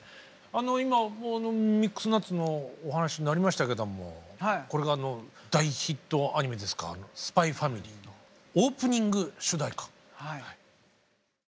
あの今「ミックスナッツ」のお話になりましたけどもこれが大ヒットアニメですか「ＳＰＹ×ＦＡＭＩＬＹ」オープニング主題歌。